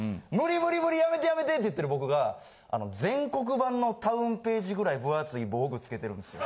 「無理無理やめてやめて」って言ってる僕があの全国版のタウンページぐらい分厚い防具つけてるんですよ。